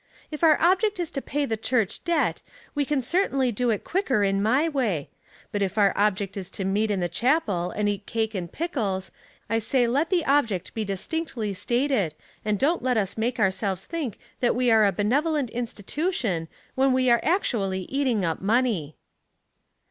" If our object is to pay the church debt, we can certainly do it quicker in my way; but if our object is to meet in the chapel and eat cake and pickles, I say let the object be distinctly stated, and don't let us make ourselves think that we are a benevolent institution when w^e are actually eating up money."